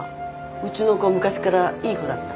うちの子昔からいい子だった。